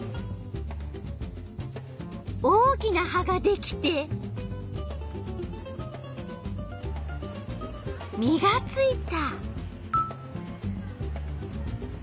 大きな葉ができて実がついた。